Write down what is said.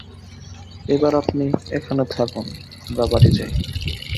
এইবার আপনি এখানে থাকুন, আমরা বাড়ি যাই।